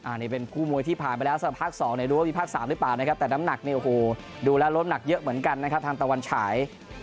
อันนี้เป็นคู่มวยที่ผ่านไปแล้วสำหรับภาค๒ดูแล้วมีภาค๓หรือเปล่าแต่น้ำหนักดูแล้วล้มหนักเยอะเหมือนกันนะครับทางตะวันฉาย